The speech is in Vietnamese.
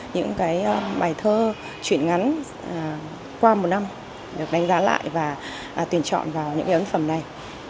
những cái bài thơ chuyện ngắn qua một năm được đánh giá lại và tuyển chọn vào những ấn phẩm này